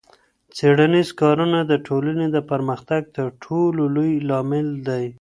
څېړنیز کارونه د ټولني د پرمختګ ترټولو لوی لامل دی.